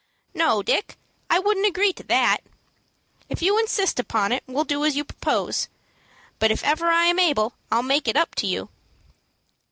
"No, Dick; I wouldn't agree to that. If you insist upon it, we'll do as you propose; but, if ever I am able, I will make it up to you."